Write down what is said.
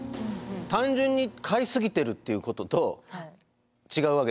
単純に買いすぎてるっていうことと違うわけですもんね。